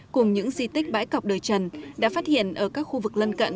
cùng những di tích bãi cọc đời trần đã phát hiện ở các khu vực lân cận